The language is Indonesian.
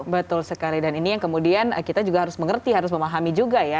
betul sekali dan ini yang kemudian kita juga harus mengerti harus memahami juga ya